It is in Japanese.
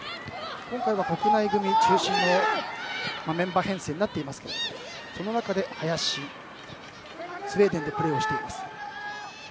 今回は国内組中心のメンバー編成になっていますがその中で林はスウェーデンでプレーをしています。